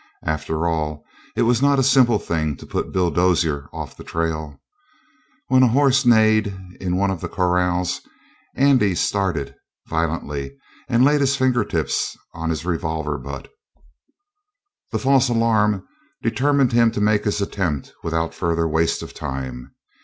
After all, it was not a simple thing to put Bill Dozier off the trail. When a horse neighed in one of the corrals, Andy started violently and laid his fingertips on his revolver butt. That false alarm determined him to make his attempt without further waste of time.